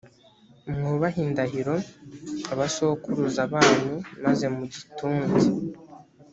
mwubahe indahiro abasokuruza banyu, maze mugitunge.